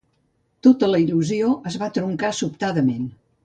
Tota la il·lusió es va truncar sobtadament.